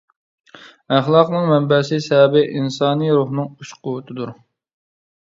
ئەخلاقنىڭ مەنبەسى، سەۋەبى ئىنسانى روھنىڭ ئۈچ قۇۋۋىتىدۇر.